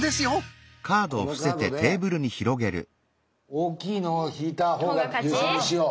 このカードで大きいのを引いた方が優勝にしよう。